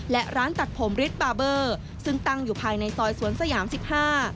และร้านตัดผมฤทธิ์บาร์เบอร์ซึ่งตั้งอยู่ภายในซอยสวนสยามสิบห้า